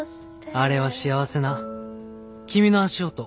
「あれは幸せな君の足音」。